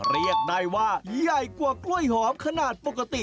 เรียกได้ว่าใหญ่กว่ากล้วยหอมขนาดปกติ